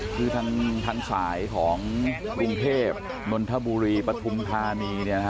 คือทันสายของลุงเภพนนทบุรีปทุมทานี